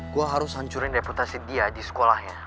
gue harus hancurin reputasi dia di sekolahnya